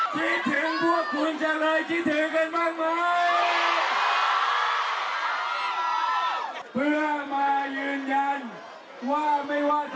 พี่จ้าม